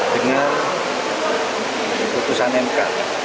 dengan keputusan mk